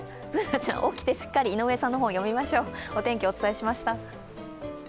Ｂｏｏｎａちゃん、起きて、しっかり井上さんの本を読みましょう。